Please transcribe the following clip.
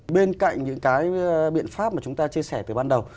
bên cạnh những cái biện pháp mà chúng ta chia sẻ từ ban đầu